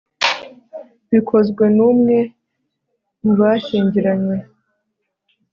bikozwe n umwe mu bashyingiranywe